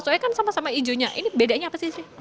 soalnya kan sama sama hijaunya ini bedanya apa sih sih